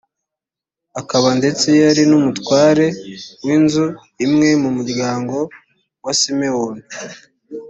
akaba ndetse yari n’umutware w’inzu imwe mu muryango wa simewoni.